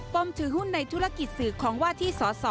มถือหุ้นในธุรกิจสื่อของว่าที่สส